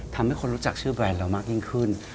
ทำให้คนรู้จักชื่อแบรนด์เรามากยิ่งขึ้น